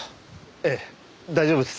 ええ大丈夫です。